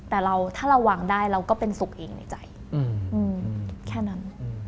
แต่ถ้าเราวางได้เราก็เป็นสุขเองในใจแค่นั้น